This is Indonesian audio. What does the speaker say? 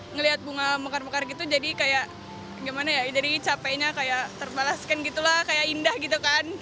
ngelihat bunga mekar mekar gitu jadi kayak gimana ya jadi capeknya kayak terbalaskan gitu lah kayak indah gitu kan